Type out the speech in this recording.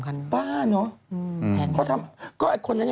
การอยู่บ้านสิเขาดีกันแล้วนะ